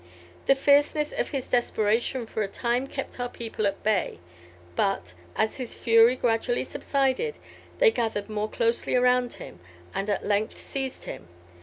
The fierceness of his desperation for a time kept our people at bay; but as his fury gradually subsided, they gathered more closely round him, and at length seized him.